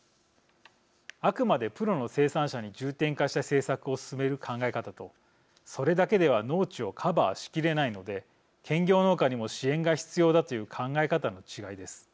あくまでプロの生産者に重点化した政策を進める考え方とそれだけでは農地をカバーしきれないので兼業農家にも支援が必要だという考え方の違いです。